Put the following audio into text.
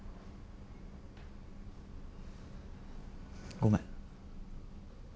ごめん。